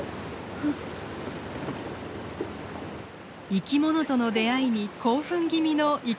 生きものとの出会いに興奮気味の征夫さん。